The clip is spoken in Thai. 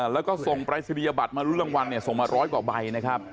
แล้วก็ส่งปรายศนียบัตรมารุ้นรางวัลส่งมาร้อยกว่าใบนะครับ